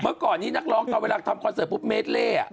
เมื่อก่อนนี้นักร้องตอนเวลาทำคอนเสิร์ตปุ๊บเมดเล่